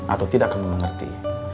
atau tidak kamu mengerti